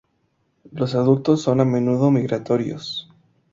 Los adultos son a menudo migratorios.